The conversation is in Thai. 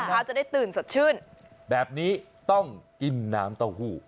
เช้าจะได้ตื่นสดชื่นแบบนี้ต้องกินน้ำเต้าหู้